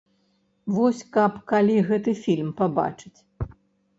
Вось каб калі гэты фільм пабачыць?!